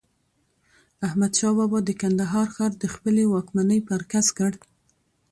احمد شاه بابا د کندهار ښار د خپلي واکمنۍ مرکز کړ.